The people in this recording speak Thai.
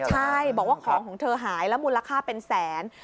ใช่บอกว่าของของเธอหายแล้วมูลค่าเป็นแสน